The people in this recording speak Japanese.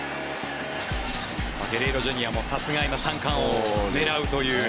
ゲレーロＪｒ．もさすが今、三冠王を狙うという。